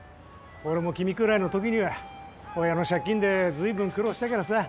俺も君くらいのときには親の借金でずいぶん苦労したからさ。